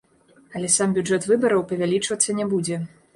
Але сам бюджэт выбараў павялічвацца не будзе.